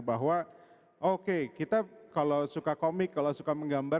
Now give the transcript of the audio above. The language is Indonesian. bahwa oke kita kalau suka komik kalau suka menggambar